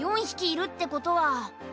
ひきいるってことは。